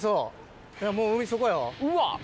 うわ！